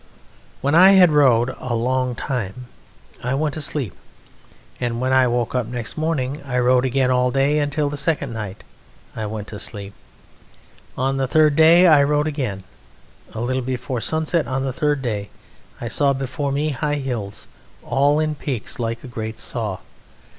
"When I had rowed a long time I went asleep, and when I woke up next morning I rowed again all day until the second night I went to sleep. On the third day I rowed again: a little before sunset on the third day I saw before me high hills, all in peaks like a great saw.